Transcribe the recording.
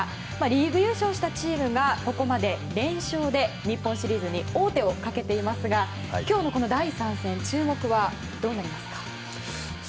リーグ優勝したチームがここまで連勝で日本シリーズに王手をかけていますが今日の第３戦注目はどうなりますか？